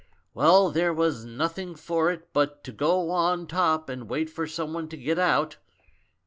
"Well, there was nothing for it but to go on top and wait for someone to get out.